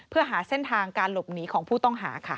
เพื่อหาเส้นทางการหลบหนีของผู้ต้องหาค่ะ